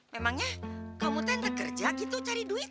memangnya kamu teh ngekerja gitu cari duit